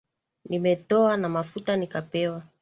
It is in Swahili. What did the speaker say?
Nimetoa na mafuta nikapewa.